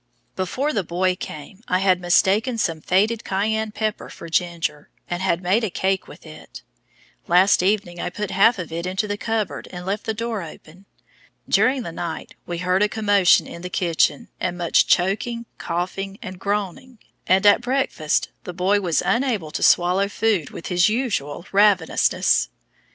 Before the boy came I had mistaken some faded cayenne pepper for ginger, and had made a cake with it. Last evening I put half of it into the cupboard and left the door open. During the night we heard a commotion in the kitchen and much choking, coughing, and groaning, and at breakfast the boy was unable to swallow food with his usual ravenousness.